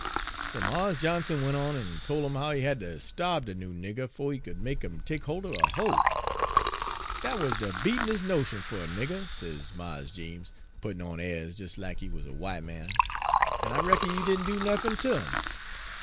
"So Mars Johnson went on en tol' 'im how he had ter starbe de noo nigger 'fo' he could make 'im take holt er a hoe. Page 95 " 'Dat wuz de beatinis' notion fer a nigger,' sez Mars Jeems, 'puttin' on airs, des lack he wuz a w'ite man! En I reckon you didn' do nuffin ter 'im?'